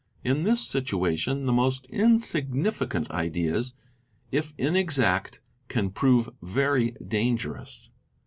In this situation the most insignificant ideas, if inexact, can prove very dangerous.